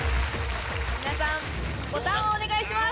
皆さんボタンをお願いします。